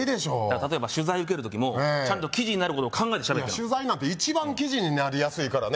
例えば取材受ける時も記事になることを考えて喋って取材なんて一番記事になりやすいからね